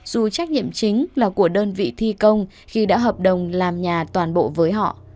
dù trách nhiệm chính là của đơn vị thi công khi đã hợp đồng làm nhà toàn bộ với họ